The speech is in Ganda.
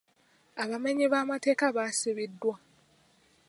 Abamenyi b'amateeka basibiddwa.